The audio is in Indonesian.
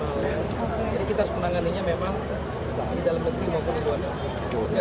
jadi kita harus menanggannya memang di dalam negeri maupun di luar negeri